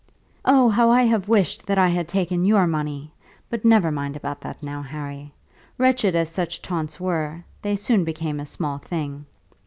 "Oh, how I have wished that I had taken your money! But never mind about that now, Harry. Wretched as such taunts were, they soon became a small thing.